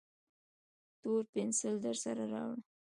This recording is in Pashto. تور پینسیل درسره راوړه